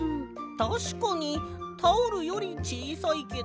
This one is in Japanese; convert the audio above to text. たしかにタオルよりちいさいけど。